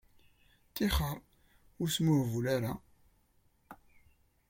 Ṭixer ur smuhbul ara.